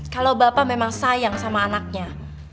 kalau bapak memang sayang sama anaknya